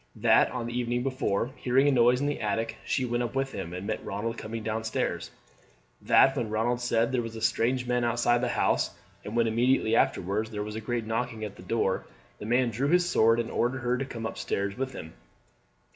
That on the evening before, hearing a noise in the attic, she went up with him, and met Ronald coming down stairs. That when Ronald said there were strange men outside the house, and when immediately afterwards there was a great knocking at the door, the man drew his sword and ordered her to come up stairs with him.